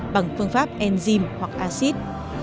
bằng phương pháp enzyme hoặc acid